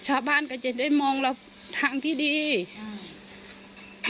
ชาวบ้านก็จะได้มองเราทางที่ดีอ่า